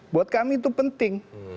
buat kami itu penting